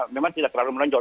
memang tidak terlalu menonjol